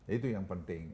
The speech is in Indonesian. itu yang penting